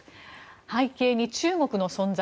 背景に中国の存在。